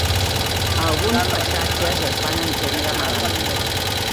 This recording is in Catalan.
Alguns passatges es van entendre malament.